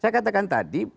saya katakan tadi